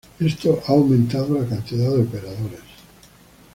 Esto ha aumentado la cantidad de operadores.